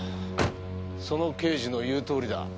その刑事の言うとおりだ。